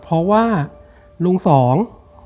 เพราะว่าลุงสอง